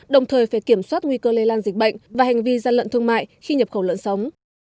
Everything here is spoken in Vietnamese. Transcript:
đồng thời phải kiểm soát nguy cơ lây lan dịch bệnh và hành vi gian lận thương mại khi nhập khẩu lợn sống